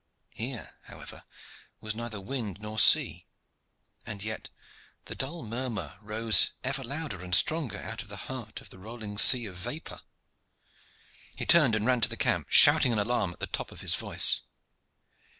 Here, however, was neither wind nor sea, and yet the dull murmur rose ever louder and stronger out of the heart of the rolling sea of vapor. He turned and ran to the camp, shouting an alarm at the top of his voice.